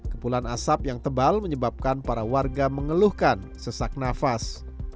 kepulan asap yang tebal menyebabkan para warga mengeluhkan sesak nafas